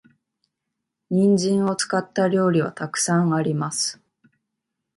人参を使った料理は沢山あります。